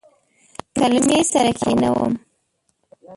کلمې سره کښینوم